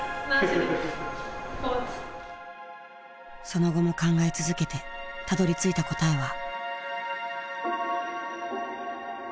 その後も考え続けてたどりついた答えは。